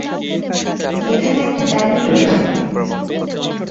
এখানে একটা ডাইনী রয়েছে!